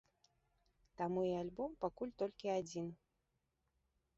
Таму і альбом пакуль толькі адзін.